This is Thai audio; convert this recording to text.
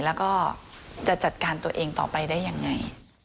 แล้วก็จะจัดการตัวเองต่อไปได้ยังไง